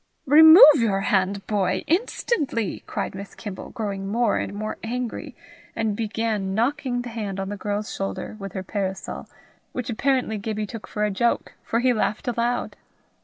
"Remove your hand, boy, instantly," cried Miss Kimble, growing more and more angry, and began knocking the hand on the girl's shoulder with her parasol, which apparently Gibbie took for a joke, for he laughed aloud.